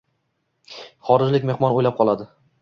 Xorijlik mehmon o’ylab qoladi.